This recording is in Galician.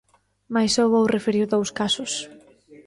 Mais só vou referir dous casos.